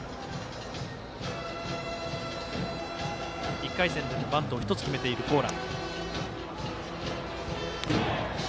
１回戦でもバントを１つ決めている高良。